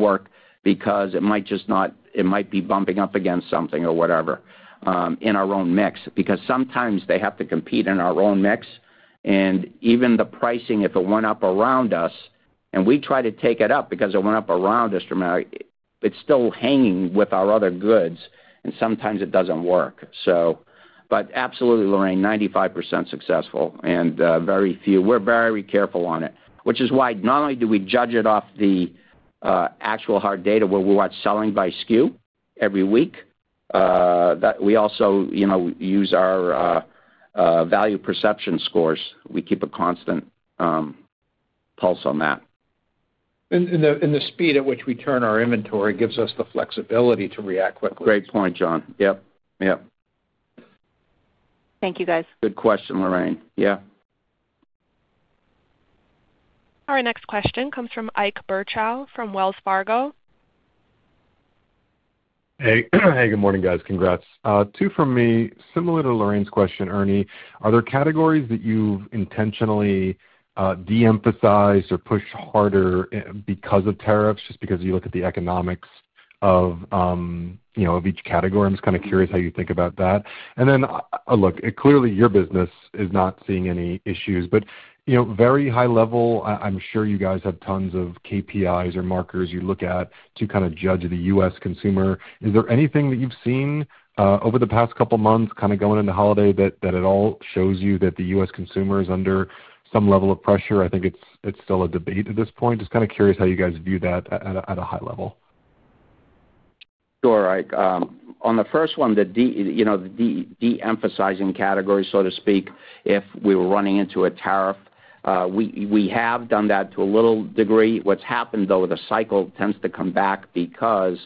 work because it might just not, it might be bumping up against something or whatever in our own mix. Because sometimes they have to compete in our own mix. Even the pricing, if it went up around us and we try to take it up because it went up around us dramatically, it's still hanging with our other goods, and sometimes it doesn't work. Absolutely, Lorraine, 95% successful and very few. We're very careful on it, which is why not only do we judge it off the actual hard data where we watch selling by SKU every week, we also use our value perception scores. We keep a constant pulse on that. The speed at which we turn our inventory gives us the flexibility to react quickly. Great point, John. Yep. Yep. Thank you, guys. Good question, Lorraine. Yeah. Our next question comes from Ike Boruchow from Wells Fargo. Hey. Good morning, guys. Congrats. Two from me. Similar to Lorraine's question, Ernie, are there categories that you've intentionally de-emphasized or pushed harder because of tariffs, just because you look at the economics of each category? I'm just kind of curious how you think about that. Clearly your business is not seeing any issues, but very high level, I'm sure you guys have tons of KPIs or markers you look at to kind of judge the U.S. consumer. Is there anything that you've seen over the past couple of months kind of going into Holiday that at all shows you that the U.S. consumer is under some level of pressure? I think it's still a debate at this point. Just kind of curious how you guys view that at a high level. Sure. On the first one, the de-emphasizing category, so to speak, if we were running into a tariff, we have done that to a little degree. What's happened, though, the cycle tends to come back because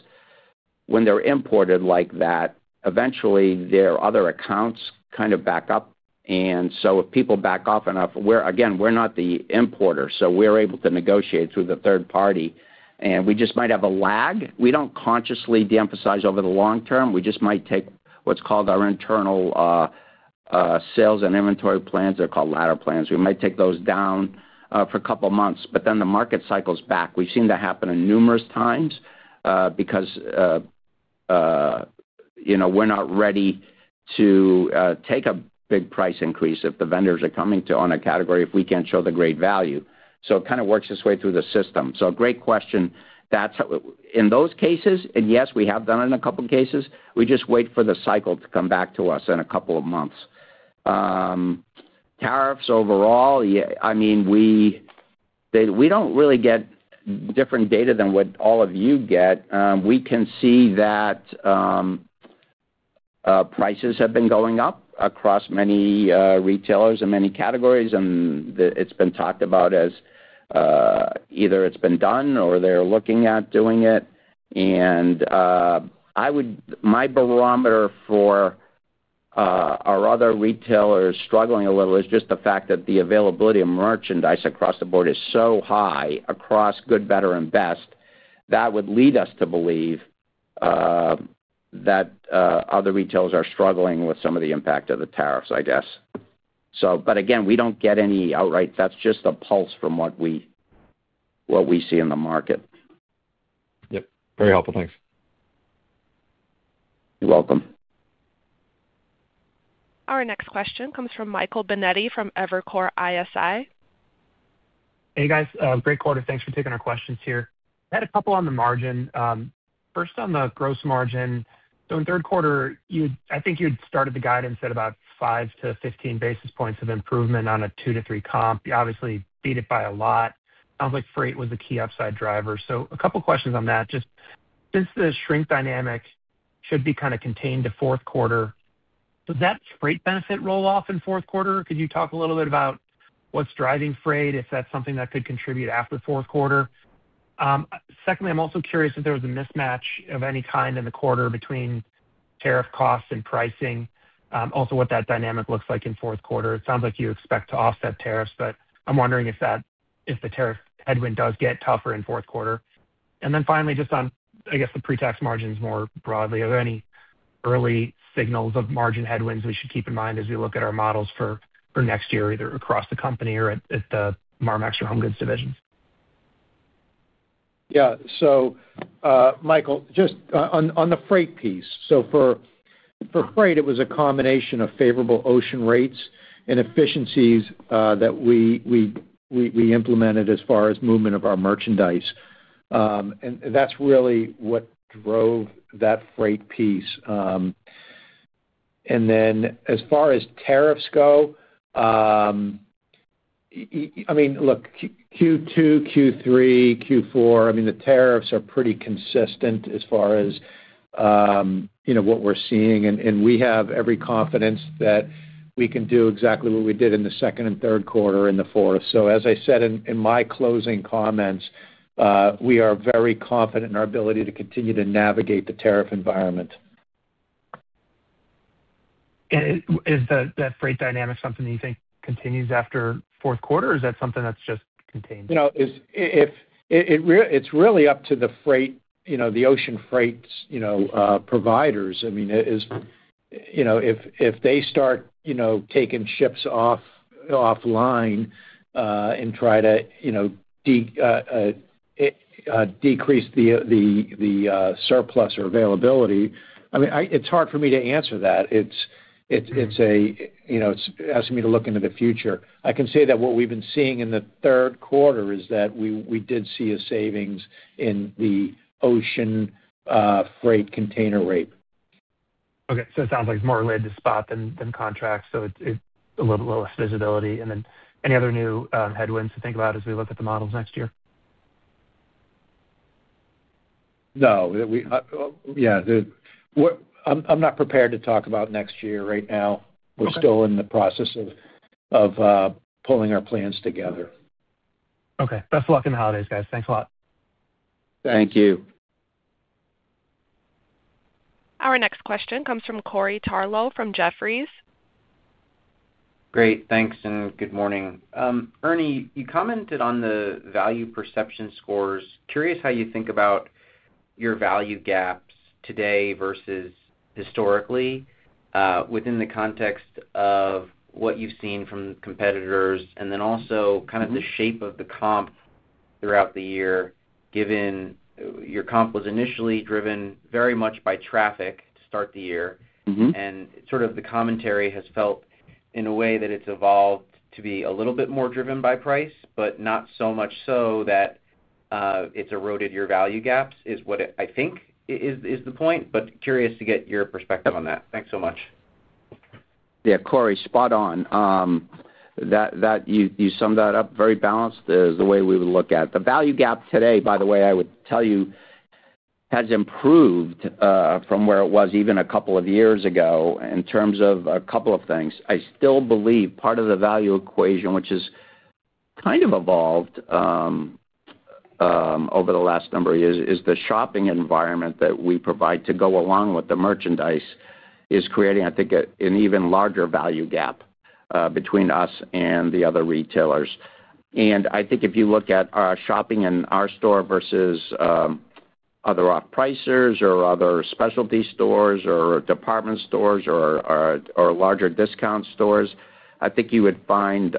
when they're imported like that, eventually their other accounts kind of back up. If people back off enough, again, we're not the importer, so we're able to negotiate through the third party. We just might have a lag. We do not consciously de-emphasize over the long term. We just might take what's called our internal sales and inventory plans. They're called ladder plans. We might take those down for a couple of months, but then the market cycles back. We've seen that happen numerous times because we're not ready to take a big price increase if the vendors are coming to on a category if we cannot show the great value. It kind of works its way through the system. Great question. In those cases, and yes, we have done it in a couple of cases, we just wait for the cycle to come back to us in a couple of months. Tariffs overall, I mean, we do not really get different data than what all of you get. We can see that prices have been going up across many retailers and many categories, and it has been talked about as either it has been done or they are looking at doing it. My barometer for our other retailers struggling a little is just the fact that the availability of merchandise across the board is so high across good, better, and best that would lead us to believe that other retailers are struggling with some of the impact of the tariffs, I guess. Again, we do not get any outright. That's just a pulse from what we see in the market. Yep. Very helpful. Thanks. You're welcome. Our next question comes from Michael Binetti from Evercore ISI. Hey, guys. Great quarter. Thanks for taking our questions here. I had a couple on the margin. First, on the gross margin. In third quarter, I think you had started the guidance at about 5 - 15 basis points of improvement on a 2 - 3 comp. You obviously beat it by a lot. Sounds like freight was a key upside driver. A couple of questions on that. Just since the shrink dynamic should be kind of contained to fourth quarter, does that freight benefit roll off in fourth quarter? Could you talk a little bit about what's driving freight, if that's something that could contribute after fourth quarter? Secondly, I'm also curious if there was a mismatch of any kind in the quarter between tariff costs and pricing, also what that dynamic looks like in fourth quarter. It sounds like you expect to offset tariffs, but I'm wondering if the tariff headwind does get tougher in fourth quarter. Finally, just on, I guess, the pre-tax margins more broadly, are there any early signals of margin headwinds we should keep in mind as we look at our models for next year, either across the company or at the Marmaxx or HomeGoods divisions? Yeah. Michael, just on the freight piece. For freight, it was a combination of favorable ocean rates and efficiencies that we implemented as far as movement of our merchandise. That's really what drove that freight piece. As far as tariffs go, I mean, look, Q2, Q3, Q4, the tariffs are pretty consistent as far as what we're seeing. We have every confidence that we can do exactly what we did in the second and third quarter and the fourth. As I said in my closing comments, we are very confident in our ability to continue to navigate the tariff environment. Is that freight dynamic something that you think continues after fourth quarter, or is that something that's just contained? It's really up to the freight, the ocean freight providers. I mean, if they start taking ships offline and try to decrease the surplus or availability, I mean, it's hard for me to answer that. It's asking me to look into the future. I can say that what we've been seeing in the third quarter is that we did see a savings in the ocean freight container rate. Okay. It sounds like it's more related to spot than contract. It's a little bit less visibility. Any other new headwinds to think about as we look at the models next year? No. Yeah. I'm not prepared to talk about next year right now. We're still in the process of pulling our plans together. Okay. Best of luck in the holidays, guys. Thanks a lot. Thank you. Our next question comes from Corey Tarlow from Jefferies. Great. Thanks and good morning. Ernie, you commented on the value perception scores. Curious how you think about your value gaps today versus historically within the context of what you've seen from competitors and then also kind of the shape of the comp throughout the year, given your comp was initially driven very much by traffic to start the year. The commentary has felt in a way that it's evolved to be a little bit more driven by price, but not so much so that it's eroded your value gaps is what I think is the point, but curious to get your perspective on that. Thanks so much. Yeah. Corey, spot on. You summed that up very balanced is the way we would look at. The value gap today, by the way, I would tell you, has improved from where it was even a couple of years ago in terms of a couple of things. I still believe part of the value equation, which has kind of evolved over the last number of years, is the shopping environment that we provide to go along with the merchandise is creating, I think, an even larger value gap between us and the other retailers. I think if you look at our shopping in our store versus other off-pricers or other specialty stores or department stores or larger discount stores, I think you would find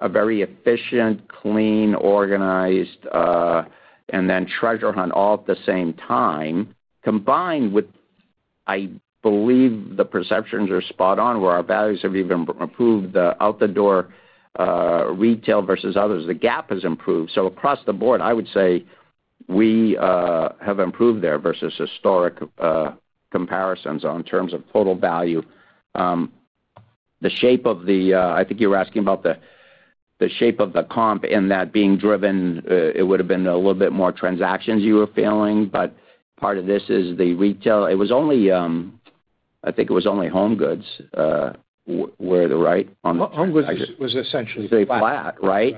a very efficient, clean, organized, and then treasure hunt all at the same time, combined with, I believe the perceptions are spot on where our values have even improved out the door retail versus others. The gap has improved. Across the board, I would say we have improved there versus historic comparisons in terms of total value. I think you were asking about the shape of the comp in that being driven, it would have been a little bit more transactions you were feeling, but part of this is the retail. It was only, I think it was only HomeGoods where the right on the. HomeGoods was essentially flat. Flat, right?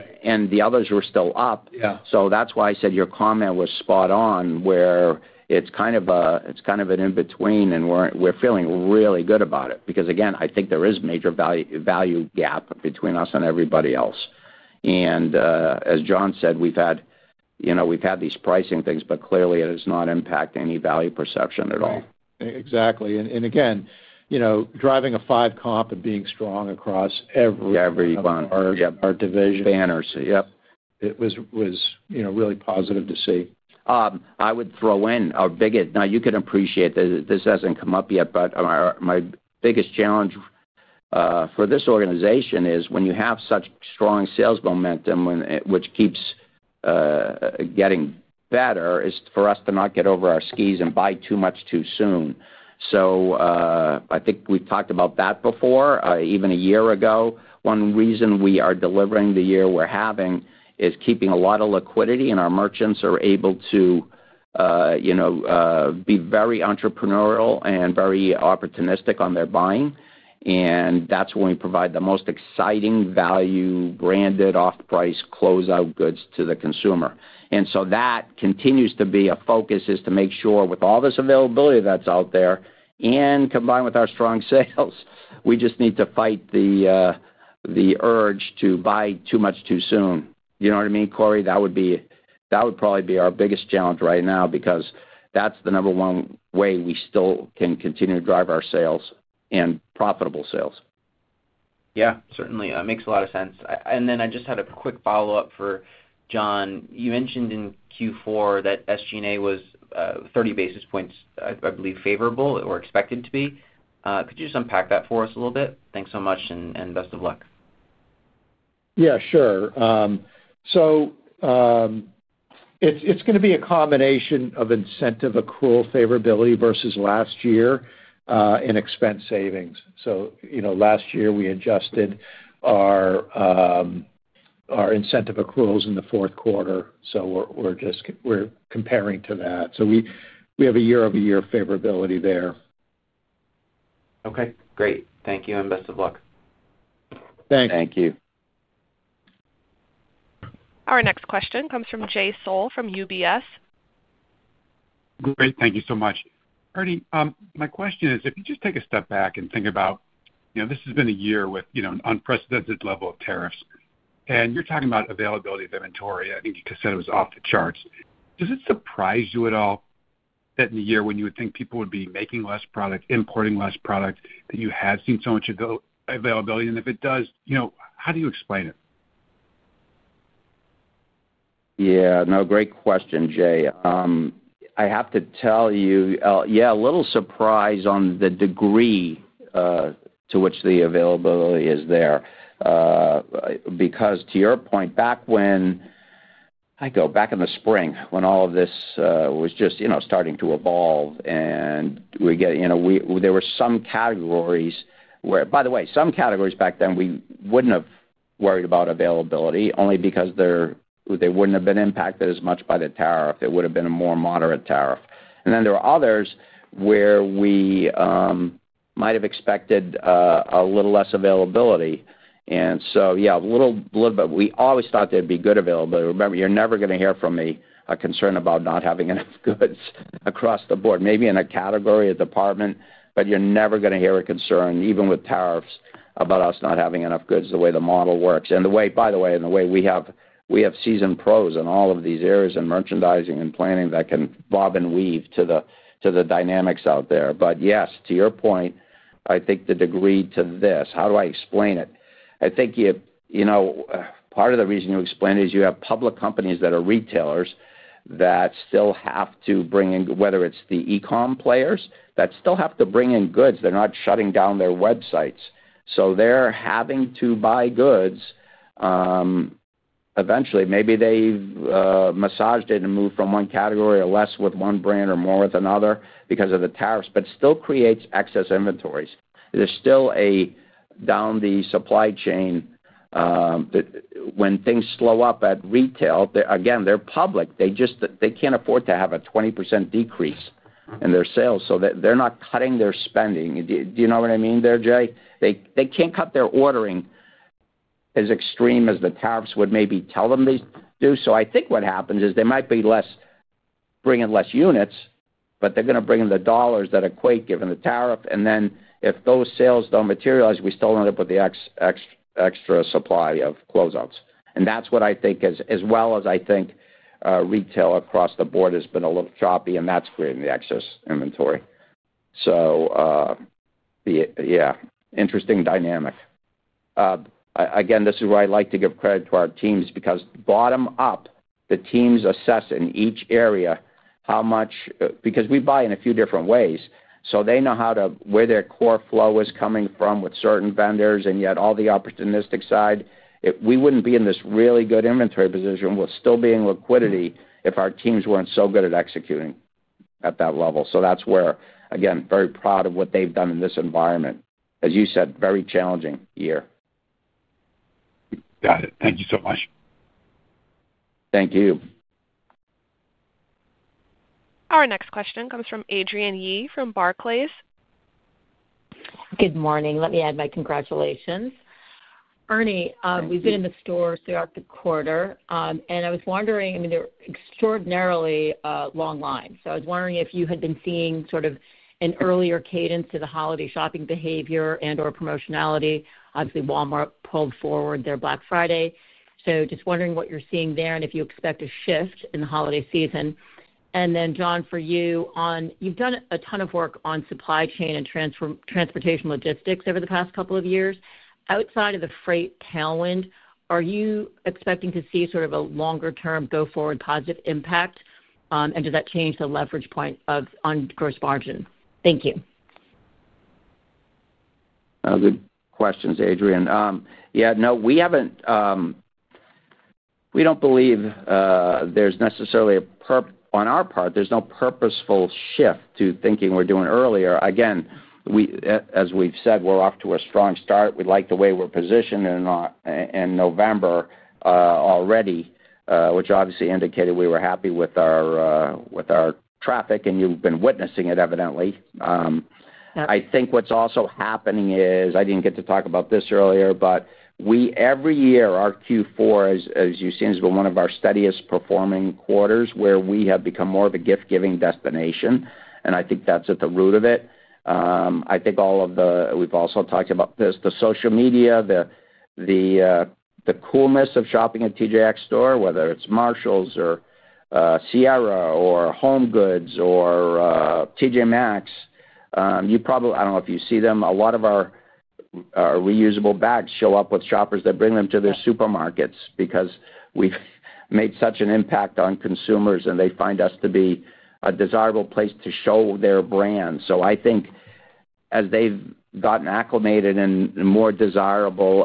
The others were still up. That is why I said your comment was spot on where it is kind of an in-between, and we are feeling really good about it. Because again, I think there is major value gap between us and everybody else. As John said, we have had these pricing things, but clearly it has not impacted any value perception at all. Exactly. Again, driving a five-comp and being strong across every. Every bundle. Our division. Banners. Yep. It was really positive to see. I would throw in our biggest, now you can appreciate this hasn't come up yet, but my biggest challenge for this organization is when you have such strong sales momentum, which keeps getting better, is for us to not get over our skis and buy too much too soon. I think we've talked about that before, even a year ago. One reason we are delivering the year we're having is keeping a lot of liquidity, and our merchants are able to be very entrepreneurial and very opportunistic on their buying. That's when we provide the most exciting value-branded off-price closeout goods to the consumer. That continues to be a focus, to make sure with all this availability that's out there and combined with our strong sales, we just need to fight the urge to buy too much too soon. You know what I mean, Corey? That would probably be our biggest challenge right now because that's the number one way we still can continue to drive our sales and profitable sales. Yeah. Certainly. That makes a lot of sense. I just had a quick follow-up for John. You mentioned in Q4 that SG&A was 30 basis points, I believe, favorable or expected to be. Could you just unpack that for us a little bit? Thanks so much and best of luck. Yeah. Sure. It is going to be a combination of incentive accrual favorability versus last year and expense savings. Last year we adjusted our incentive accruals in the fourth quarter. We are comparing to that. We have a year-over-year favorability there. Okay. Great. Thank you and best of luck. Thanks. Thank you. Our next question comes from Jay Sole from UBS. Great. Thank you so much. Ernie, my question is, if you just take a step back and think about this has been a year with an unprecedented level of tariffs, and you are talking about availability of inventory. I think you said it was off the charts. Does it surprise you at all that in a year when you would think people would be making less product, importing less product, that you have seen so much availability? If it does, how do you explain it? Yeah. No, great question, Jay. I have to tell you, yeah, a little surprise on the degree to which the availability is there. Because to your point, back when I go back in the spring when all of this was just starting to evolve and we get there were some categories where, by the way, some categories back then we would not have worried about availability only because they would not have been impacted as much by the tariff. It would have been a more moderate tariff. There were others where we might have expected a little less availability. Yeah, a little bit. We always thought there would be good availability. Remember, you're never going to hear from me a concern about not having enough goods across the board, maybe in a category or department, but you're never going to hear a concern, even with tariffs, about us not having enough goods the way the model works. By the way, in the way we have seasoned pros in all of these areas and merchandising and planning that can bob and weave to the dynamics out there. Yes, to your point, I think the degree to this, how do I explain it? I think part of the reason you explain it is you have public companies that are retailers that still have to bring in, whether it's the e-comm players that still have to bring in goods. They're not shutting down their websites. They're having to buy goods. Eventually, maybe they massaged it and moved from one category or less with one brand or more with another because of the tariffs, but still creates excess inventories. There is still a down the supply chain when things slow up at retail. Again, they are public. They cannot afford to have a 20% decrease in their sales. They are not cutting their spending. Do you know what I mean there, Jay? They cannot cut their ordering as extreme as the tariffs would maybe tell them they do. I think what happens is they might be bringing less units, but they are going to bring in the dollars that equate given the tariff. If those sales do not materialize, we still end up with the extra supply of closeouts. That is what I think, as well as I think retail across the board has been a little choppy, and that is creating the excess inventory. Yeah, interesting dynamic. Again, this is where I would like to give credit to our teams because bottom up, the teams assess in each area how much because we buy in a few different ways. They know where their core flow is coming from with certain vendors and yet all the opportunistic side. We would not be in this really good inventory position. We are still being liquidity if our teams were not so good at executing at that level. That is where, again, very proud of what they have done in this environment. As you said, very challenging year. Got it. Thank you so much. Thank you. Our next question comes from Adrian Yee from Barclays. Good morning. Let me add my congratulations. Ernie, we've been in the store throughout the quarter, and I was wondering, I mean, they're extraordinarily long lines. I was wondering if you had been seeing sort of an earlier cadence to the holiday shopping behavior and/or promotionality. Obviously, Walmart pulled forward their Black Friday. Just wondering what you're seeing there and if you expect a shift in the holiday season. John, for you, you've done a ton of work on supply chain and transportation logistics over the past couple of years. Outside of the freight tailwind, are you expecting to see sort of a longer-term go forward positive impact, and does that change the leverage point on gross margin? Thank you. Good questions, Adrian. Yeah. No, we do not believe there is necessarily a purpose on our part. There is no purposeful shift to thinking we are doing earlier. Again, as we have said, we are off to a strong start. We like the way we are positioned in November already, which obviously indicated we were happy with our traffic, and you have been witnessing it evidently. I think what is also happening is I did not get to talk about this earlier, but every year, our Q4, as you have seen, has been one of our steadiest performing quarters where we have become more of a gift-giving destination. I think that is at the root of it. I think all of the we have also talked about this, the social media, the coolness of shopping at TJX Store, whether it is Marshalls or Sierra or HomeGoods or TJ Maxx. I do not know if you see them. A lot of our reusable bags show up with shoppers. They bring them to their supermarkets because we've made such an impact on consumers, and they find us to be a desirable place to show their brand. I think as they've gotten acclimated and more desirable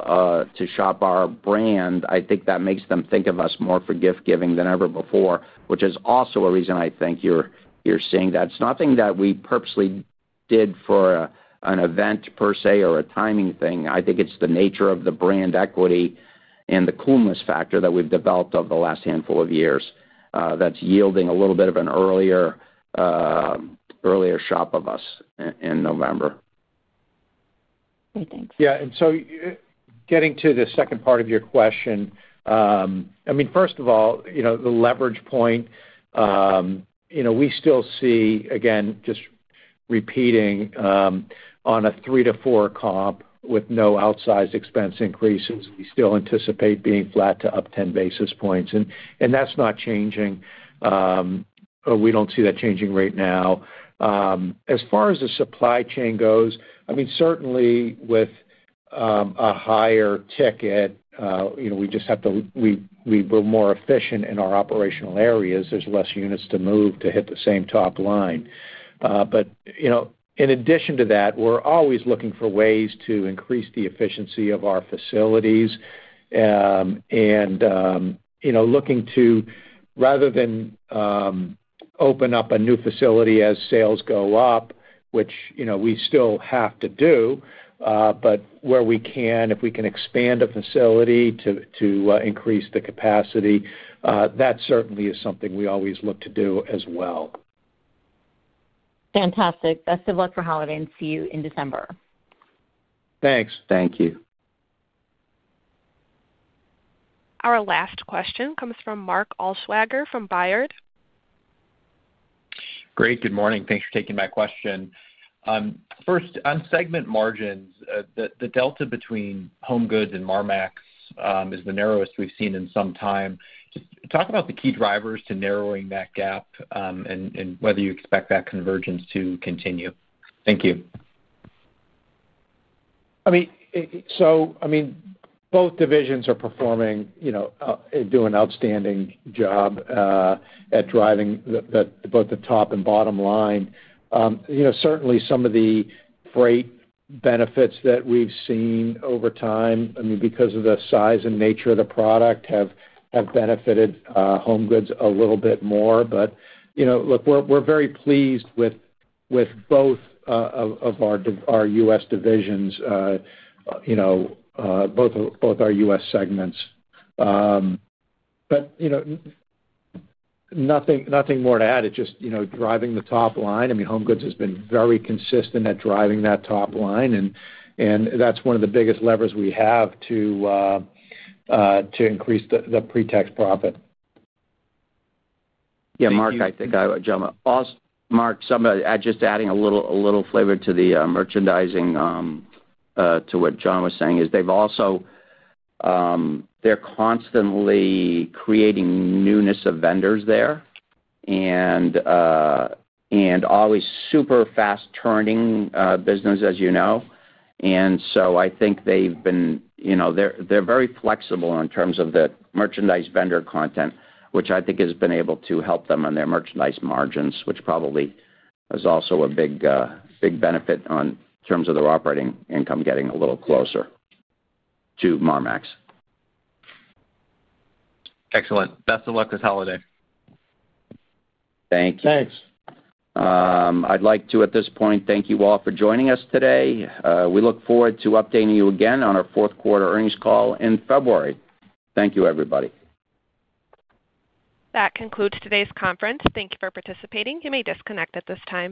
to shop our brand, I think that makes them think of us more for gift-giving than ever before, which is also a reason I think you're seeing that. It's nothing that we purposely did for an event per se or a timing thing. I think it's the nature of the brand equity and the coolness factor that we've developed over the last handful of years that's yielding a little bit of an earlier shop of us in November. Great. Thanks. Yeah. Getting to the second part of your question, I mean, first of all, the leverage point, we still see, again, just repeating, on a three to four comp with no outsized expense increases, we still anticipate being flat to up 10 basis points. That is not changing. We do not see that changing right now. As far as the supply chain goes, I mean, certainly with a higher ticket, we just have to be more efficient in our operational areas. There are fewer units to move to hit the same top line. In addition to that, we're always looking for ways to increase the efficiency of our facilities and looking to, rather than open up a new facility as sales go up, which we still have to do, but where we can, if we can expand a facility to increase the capacity, that certainly is something we always look to do as well. Fantastic. Best of luck for Halloween and see you in December. Thanks. Thank you. Our last question comes from Mark Altschwager from Baird. Great. Good morning. Thanks for taking my question. First, on segment margins, the delta between HomeGoods and Marmaxx is the narrowest we've seen in some time. Talk about the key drivers to narrowing that gap and whether you expect that convergence to continue. Thank you. I mean, both divisions are performing and doing an outstanding job at driving both the top and bottom line. Certainly, some of the freight benefits that we've seen over time, I mean, because of the size and nature of the product have benefited HomeGoods a little bit more. Look, we're very pleased with both of our U.S. divisions, both our U.S. segments. Nothing more to add. It's just driving the top line. I mean, HomeGoods has been very consistent at driving that top line, and that's one of the biggest levers we have to increase the pre-tax profit. Yeah. Mark, I think I would jump, just adding a little flavor to the merchandising to what John was saying, is they're constantly creating newness of vendors there and always super fast-turning business, as you know. I think they've been very flexible in terms of the merchandise vendor content, which I think has been able to help them on their merchandise margins, which probably is also a big benefit in terms of their operating income getting a little closer to Marmaxx. Excellent. Best of luck this holiday. Thank you. Thanks. I'd like to, at this point, thank you all for joining us today. We look forward to updating you again on our fourth quarter earnings call in February. Thank you, everybody. That concludes today's conference. Thank you for participating. You may disconnect at this time.